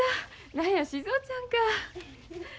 何や静尾ちゃんか。